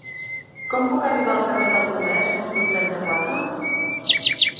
Com puc arribar al carrer del Comerç número trenta-quatre?